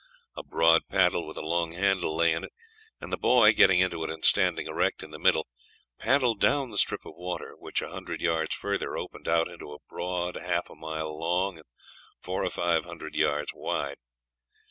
A broad paddle with a long handle lay in it, and the boy, getting into it and standing erect in the middle paddled down the strip of water which a hundred yards further opened out into a broad half a mile long and four or five hundred yards wide.